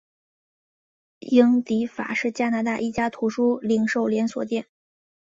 英迪戈是加拿大一家图书零售连锁店。